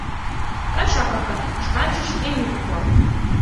— «Коншаковка» шканже шке йӱкым пуа.